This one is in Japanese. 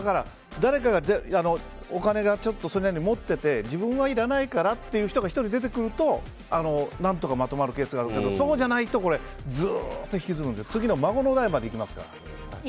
誰かがお金を持っていて自分はいらないからって人が１人出てくると何とかまとまるケースがあるけどそうじゃないとずっと引きずるので次の孫の代までいきますから。